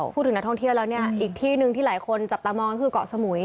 พูดถึงนักท่องเที่ยวแล้วเนี่ยอีกที่หนึ่งที่หลายคนจับตามองคือเกาะสมุย